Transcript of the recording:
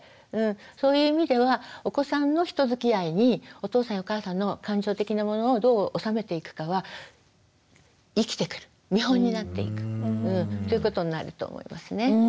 そういう意味ではお子さんの人づきあいにお父さんやお母さんの感情的なものをどう収めていくかは生きてくる見本になっていくということになると思いますね。